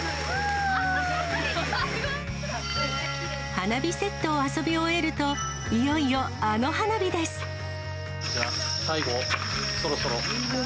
花火セットを遊び終えると、じゃあ、最後、そろそろ。